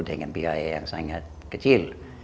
dengan biaya yang sangat kecil